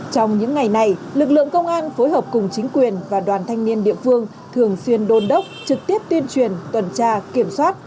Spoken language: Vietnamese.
trong những ngày này lực lượng công an phối hợp cùng chính quyền và đoàn thanh niên địa phương thường xuyên đôn đốc trực tiếp tuyên truyền tuần tra kiểm soát